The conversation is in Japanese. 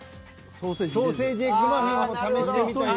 ソーセージエッグマフィンを試してみたい。